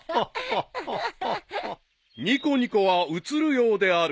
［ニコニコはうつるようである］